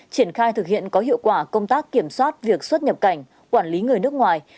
triển khai thực hiện có hiệu quả công tác kiểm soát việc xuất nhập cảnh quản lý người nước ngoài